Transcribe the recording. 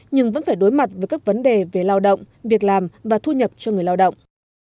nhưng vẫn phải đối mặt với các vấn đề về lao động việc làm và thu nhập cho người lao động